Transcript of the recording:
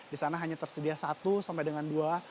disana hanya tersedia satu sampai dengan dua